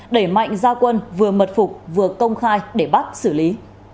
đẩy mạnh gia quân vừa mật phục vừa công khai để bắt xử lý